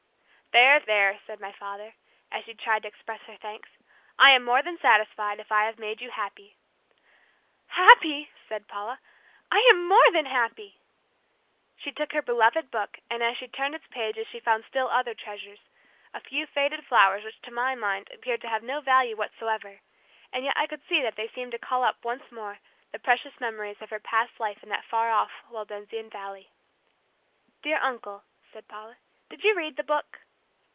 "There, there," said my father, as she tried to express her thanks, "I am more than satisfied, if I have made you happy." "Happy!" said Paula, "I am more than happy!" She took her beloved Book, and as she turned its pages she found still other treasures a few faded flowers which to my mind appeared to have no value whatsoever, and yet I could see that they seemed to call up once more the precious memories of her past life in that far off Waldensian Valley. "Dear uncle," said Paula, "Did you read the Book?"